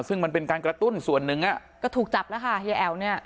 ซึ่งมันเป็นการกระตุ้นส่วนหนึ่งอ่ะก็ถูกจับแล้วค่ะเฮียแอ๋วเนี่ย